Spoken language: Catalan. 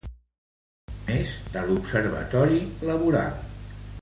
A més de l'Observatori Laboral.